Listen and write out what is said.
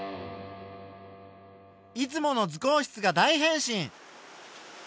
いつもの図工室が大変身！